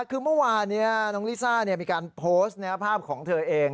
คือเมื่อวานนี้น้องลิซ่ามีการโพสต์ภาพของเธอเอง